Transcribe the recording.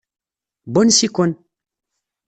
N wansi-ken?